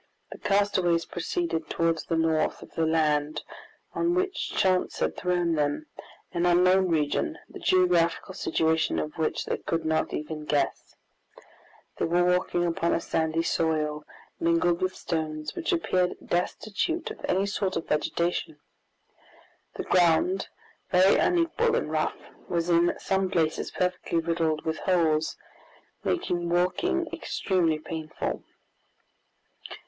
The castaways proceeded toward the north of the land on which chance had thrown them, an unknown region, the geographical situation of which they could not even guess. They were walking upon a sandy soil, mingled with stones, which appeared destitute of any sort of vegetation. The ground, very unequal and rough, was in some places perfectly riddled with holes, making walking extremely painful.